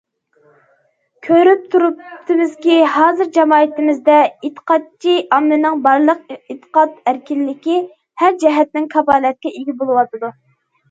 كۆرۈپ تۇرۇپتىمىزكى، ھازىر جەمئىيىتىمىزدە ئېتىقادچى ئاممىنىڭ بارلىق ئېتىقاد ئەركىنلىكى ھەر جەھەتتىن كاپالەتكە ئىگە بولۇۋاتىدۇ.